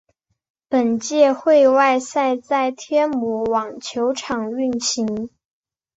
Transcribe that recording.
本届会外赛在天母网球场进行。